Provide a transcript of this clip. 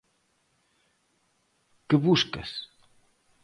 Que buscas?